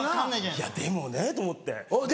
いやでもねと思って。